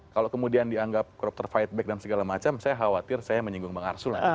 kalau kemudian dianggap koruptor fight back dan segala macam saya khawatir saya menyinggung bang arsul